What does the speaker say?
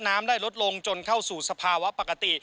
น้ำได้ลดลงจนเข้าสู่สภาวะปกติ